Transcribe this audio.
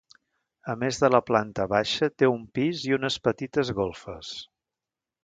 A més de la planta baixa té un pis i unes petites golfes.